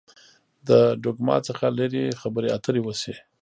له ډوګما څخه لري خبرې اترې وشي.